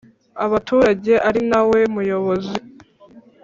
abaturage ari na we Muyobozi